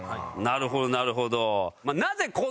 なるほどなるほど。